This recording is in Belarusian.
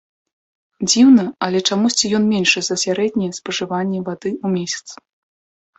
Дзіўна, але чамусьці ён меншы за сярэдняе спажыванне вады ў месяц.